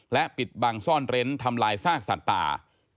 และปิดบังซ่อนเร้นทำลายซากสัตว์ป่า